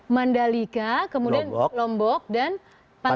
mandalika kemudian lombok dan pantai